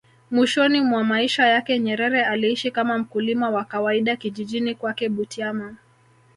Mwishoni mwa maisha yake Nyerere aliishi kama mkulima wa kawaida kijijini kwake Butiama